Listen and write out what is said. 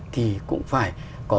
thì cũng phải có